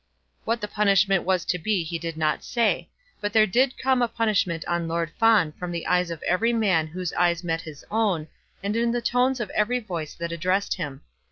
What the punishment was to be he did not say; but there did come a punishment on Lord Fawn from the eyes of every man whose eyes met his own, and in the tones of every voice that addressed him.